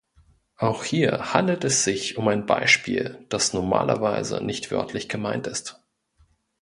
Auch hier handelt es sich um ein Beispiel, das normalerweise nicht wörtlich gemeint ist.